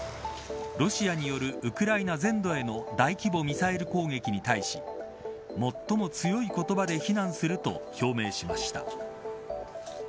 ロシアによるウクライナ全土への大規模ミサイル攻撃に対し最も強い言葉で非難すると表明しました。